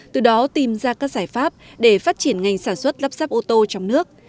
từ đó tìm ra các giải pháp để phát triển ngành sản xuất lắp ráp ô tô trong nước